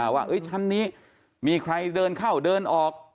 ว่าชั้นนี้มีใครเดินเข้าเดินออก